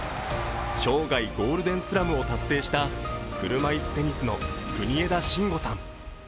生涯ゴールデンスラムを達成した車いすテニスの国枝慎吾さん。